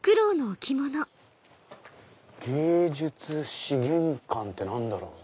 「芸術資源館」って何だろう？